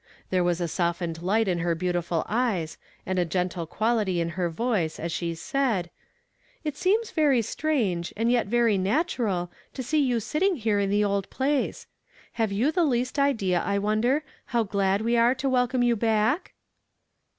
There was a softened light in her beautiful eyes, and a gontle quality in her voice as she said, —" It seems very strange, and yet very natural, to see you sitting here in the old place. Have you tlie least idea, I wonder, how glad we are to wel come you back